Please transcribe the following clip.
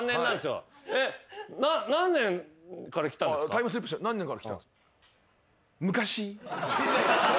タイムスリップ何年から来たんですか？